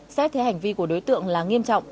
xét thấy hành vi của đối tượng là nghiêm trọng